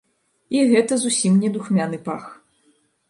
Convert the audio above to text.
І гэта зусім не духмяны пах.